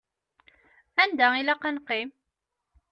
Anda ilaq ad neqqim?